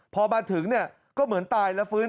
พอมาถึงเนี่ยก็เหมือนตายแล้วฟื้น